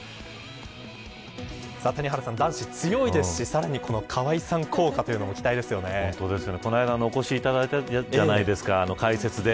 谷原さん、男子強いですしさらに川合さん効果というのもこの間お越しいただいたじゃないですか解説で。